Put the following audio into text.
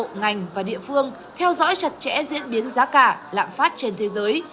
chính phủ và địa phương theo dõi chặt chẽ diễn biến giá cả lạm phát trên thế giới